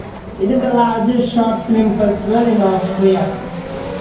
It is the largest short film festival in Austria.